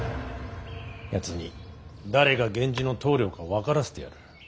やつに誰が源氏の棟梁か分からせてやる。